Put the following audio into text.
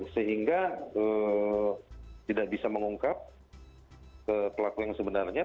sehingga tidak bisa mengungkap pelaku yang sebenarnya